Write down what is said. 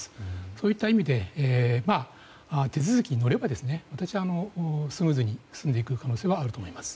そういった意味で手続きに乗れば私はスムーズに進んでいく可能性はあると思います。